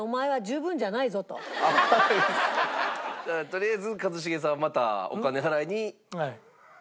とりあえず一茂さんはまたお金払いに。